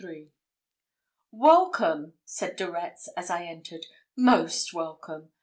"Welcome!" said De Retz, as I entered, "most welcome!